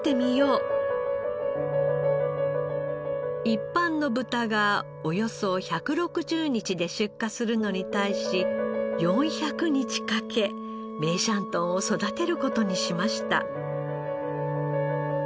一般の豚がおよそ１６０日で出荷するのに対し４００日かけ梅山豚を育てる事にしました。